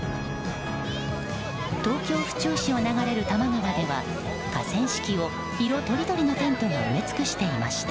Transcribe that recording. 東京・府中市を流れる多摩川では河川敷を、色とりどりのテントが埋め尽くしていました。